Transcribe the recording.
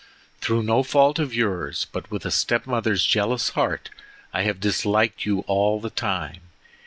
Through no fault of yours, but with a step mother's jealous heart, I have disliked you all the time.